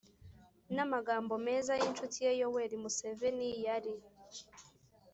n'amagambo meza y'inshuti ye yoweri museveni, yari